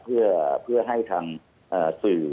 เพื่อให้ทางสื่อ